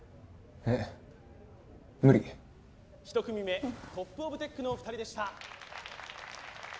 えっ無理一組目トップオブテックのお二人でした